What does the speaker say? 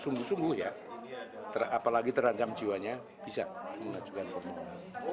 sungguh sungguh ya apalagi terancam jiwanya bisa mengajukan pembinaan